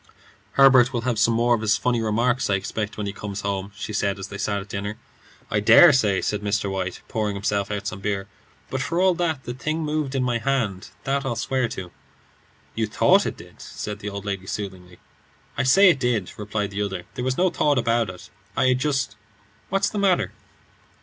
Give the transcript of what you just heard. "Herbert will have some more of his funny remarks, I expect, when he comes home," she said, as they sat at dinner. "I dare say," said Mr. White, pouring himself out some beer; "but for all that, the thing moved in my hand; that I'll swear to." "You thought it did," said the old lady soothingly. "I say it did," replied the other. "There was no thought about it; I had just What's the matter?"